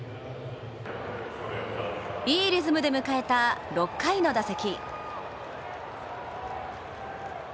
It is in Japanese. いいリズムで迎えた６回の打席。